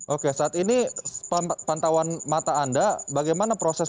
oke saat ini pantauan mata anda bagaimana proses